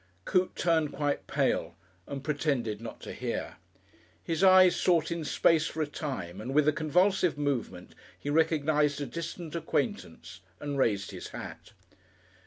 Coote turned quite pale and pretended not to hear. His eyes sought in space for a time and with a convulsive movement he recognised a distant acquaintance and raised his hat.